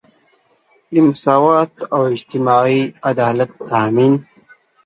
د مساوات او اجتماعي عدالت تامین.